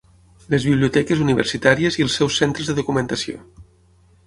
Les biblioteques universitàries i els seus centres de documentació.